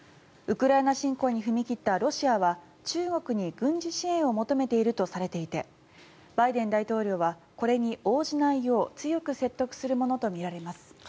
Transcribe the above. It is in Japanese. ウクライナ侵攻に踏み切ったロシアは中国に軍事支援を求めているとされていてバイデン大統領はこれに応じないよう廣瀬さん